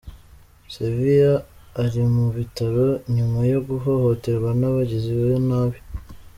Sevilla ari mu bitaro nyuma yo guhohoterwa n’abagizi ba nabi.